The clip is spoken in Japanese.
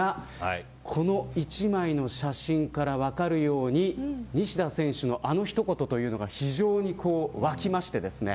この一枚の写真から分かるように西田選手のあの一言が非常に沸きました。